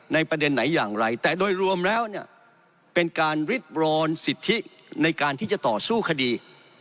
ประเด็นไหนอย่างไรแต่โดยรวมแล้วเนี่ยเป็นการริดรอนสิทธิในการที่จะต่อสู้คดี